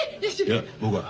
いや僕は。